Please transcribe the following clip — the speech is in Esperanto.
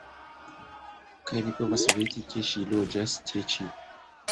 Kaj mi povas veti, ke ŝi loĝas tie ĉi!